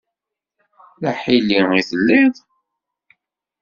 D aḥili i telliḍ.